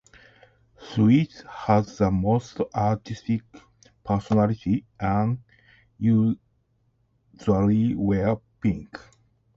"Sweet" has the most artistic personality, and usually wears pink.